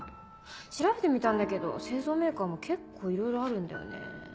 調べてみたんだけど製造メーカーも結構いろいろあるんだよね。